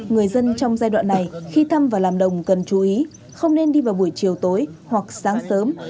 người dân trong giai đoạn này khi thăm và làm đồng cần chú ý không nên đi vào buổi chiều tối hoặc sáng sớm